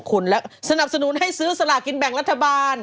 เกี่ยวกับสนุนให้ซื้อสลากินแบ่งรัฐบาล